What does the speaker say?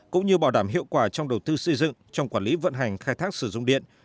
cũng như bảo đảm hiệu quả trong đầu tư xây dựng trong quản lý vận hành khai thác sử dụng điện